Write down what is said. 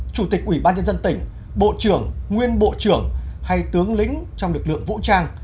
chủ tịch ủy ban nhân dân tỉnh bộ trưởng nguyên bộ trưởng hay tướng lĩnh trong lực lượng vũ trang